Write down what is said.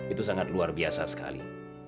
itu sangat luar biasa sekali